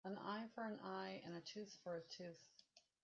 An eye for an eye and a tooth for a tooth.